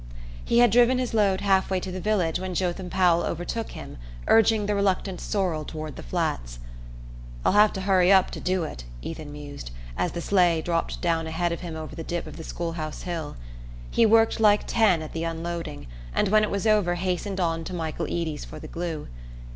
He had driven his load half way to the village when Jotham Powell overtook him, urging the reluctant sorrel toward the Flats. "I'll have to hurry up to do it," Ethan mused, as the sleigh dropped down ahead of him over the dip of the school house hill. He worked like ten at the unloading, and when it was over hastened on to Michael Eady's for the glue.